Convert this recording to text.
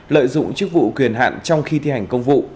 lợi dụng chức vụ quyền hạn trong khi thi hành công vụ